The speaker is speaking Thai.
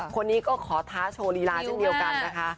คนนี้ก็ขอท้าโชว์ลีลาเช่นเดียวกันนะคะ